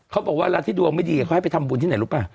เวลาที่ดวงไม่ดีเขาให้ไปทำบุญที่ไหนรู้ป่ะ